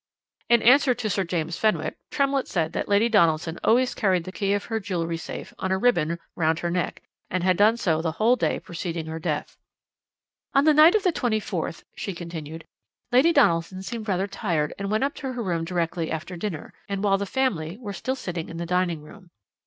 "' "In answer to Sir James Fenwick, Tremlett said that Lady Donaldson always carried the key of her jewel safe on a ribbon round her neck, and had done so the whole day preceding her death. "'On the night of the 24th,' she continued, 'Lady Donaldson still seemed rather tired, and went up to her room directly after dinner, and while the family were still sitting in the dining room.